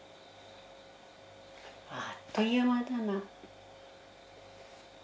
あっという間だな。